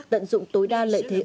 tận dụng tối đa lợi thế ưu